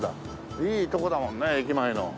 いいとこだもんね駅前の。